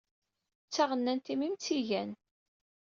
D taɣennant-im i am-tt-igan.